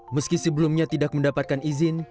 meski sebelumnya tidak mendapatkan izin